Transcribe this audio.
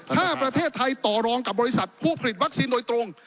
ถ้าประเทศไทยต่อรองกับบริษัทผู้ผลิตวัคซีนโดยตรง